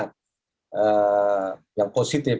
ee yang positif